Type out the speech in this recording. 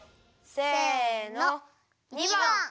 せの②ばん！